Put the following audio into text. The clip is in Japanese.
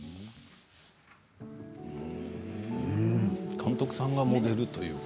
監督さんがモデルというか。